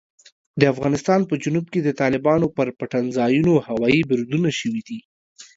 د افغانستان په جنوب کې د طالبانو پر پټنځایونو هوايي بریدونه شوي دي.